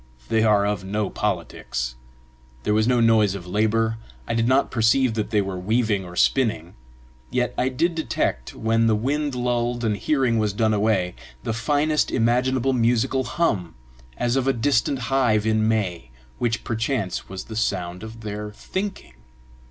They are of no politics. There was no noise of labor. I did not perceive that they were weaving or spinning. Yet I did detect, when the wind lulled and hearing was done away, the finest imaginable sweet musical hum, as of a distant hive in May, which perchance was the sound of their thinking.